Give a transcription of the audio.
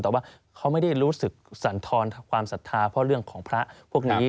แต่ว่าเขาไม่ได้รู้สึกสันทรความศรัทธาเพราะเรื่องของพระพวกนี้